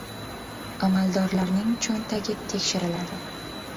Amaldorlarning «cho‘ntagi» tekshiriladi